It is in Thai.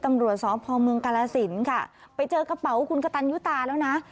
ตำรวจสอบภอมเมืองกาลาศิลป์ค่ะไปเจอกระเป๋าคุณกตันยุตาแล้วนะ